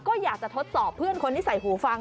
ก็อยากจะทดสอบเพื่อนคนที่ใส่หูฟัง